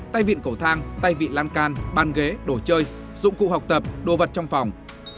tay vịn cầu thang tay vị lan can ban ghế đồ chơi dụng cụ học tập đồ vật trong phòng